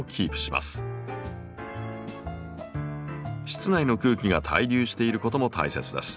室内の空気が対流していることも大切です。